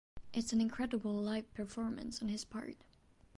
It’s an incredible live performance on his part.